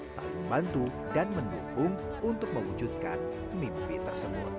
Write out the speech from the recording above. selalu membantu dan mendukung untuk mewujudkan mimpi belaka